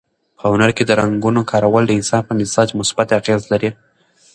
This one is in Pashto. په هنر کې د رنګونو کارول د انسان په مزاج مثبت اغېز لري.